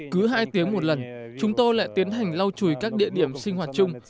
cứ hai tiếng một lần chúng tôi lại tiến hành lau chùi các địa điểm sinh hoạt chung